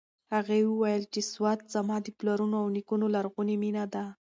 هغې وویل چې سوات زما د پلرونو او نیکونو لرغونې مېنه ده.